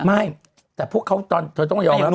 ไม่แต่พวกเขาตอนเธอต้องยอมรับ